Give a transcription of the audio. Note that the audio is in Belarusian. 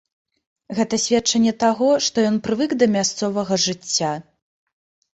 Гэта сведчанне таго, што ён прывык да мясцовага жыцця!